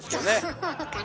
そうかな。